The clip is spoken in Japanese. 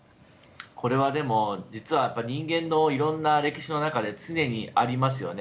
これは実は人間のいろいろな歴史の中で常にありますよね。